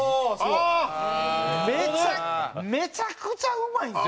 めちゃくちゃうまいんですよ！